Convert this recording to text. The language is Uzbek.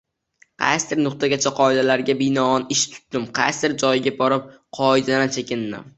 Qaysidir nuqtagacha qoidalarga binoan ish tutdim, qaysidir joyga borib qoidadan chekindim.